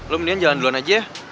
lo mendingan jalan duluan aja ya